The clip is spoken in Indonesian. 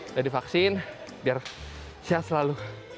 sudah divaksin biar sehat selalu